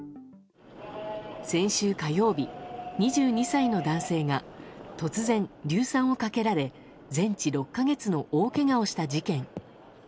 先週火曜日、２２歳の男性が突然、硫酸をかけられ全治６か月の大けがをした事件。